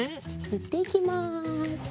ぬっていきます。